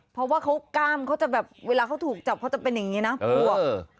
เพราะว่าเขากล้ามเขาจะแบบเวลาเขาถูกจับเขาจะเป็นอย่างนี้นะอวบ